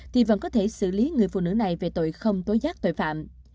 thì vẫn có thể xử lý người phụ nữ này về tội không tố giác tội phạm